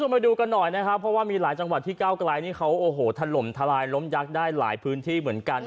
มาดูกันหน่อยนะครับเพราะว่ามีหลายจังหวัดที่เก้าไกลนี่เขาโอ้โหถล่มทลายล้มยักษ์ได้หลายพื้นที่เหมือนกัน